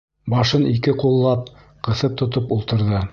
Башын ике ҡуллап ҡыҫып тотоп ултырҙы.